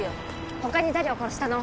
他に誰を殺したの？